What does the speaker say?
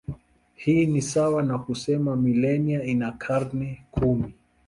Hii ni sawa na kusema milenia ina karne kumi.